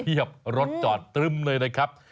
รถจอดตรึมเลยนะครับ